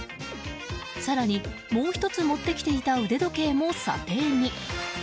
更に、もう１つ持ってきていた腕時計も査定に。